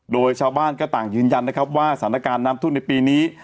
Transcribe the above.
โดยชาวบ้านก็ต่างยืนยันนะครับว่าสถานการณ์น้ำทุ่นในปีนี้